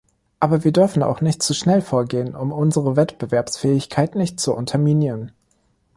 Aber wir dürfen auch nicht zu schnell vorgehen, um unsere Wettbewerbsfähigkeit nicht zu unterminieren.